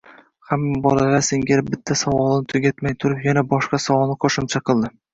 Hamma bolalar singari bitta savolini tugatmay turib, yana boshqa savolni qoʻshimcha qildi